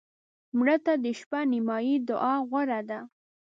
مړه ته د شپه نیمایي دعا غوره ده